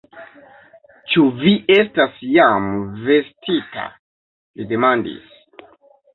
Ĉu vi estas jam vestita? li demandis.